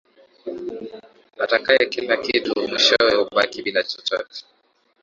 Atakaye kila kitu mwishowe hubaki bila chochote.